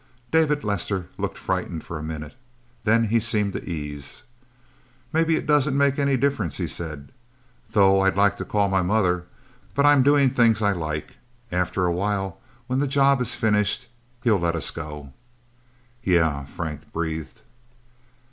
David Lester looked frightened for a minute. Then he seemed to ease. "Maybe it doesn't make any difference," he said. "Though I'd like to call my mother... But I'm doing things that I like. After a while, when the job is finished, he'll let us go." "Yeah?" Frank breathed.